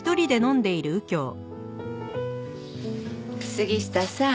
杉下さん。